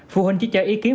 phụ huynh chỉ cho ý kiến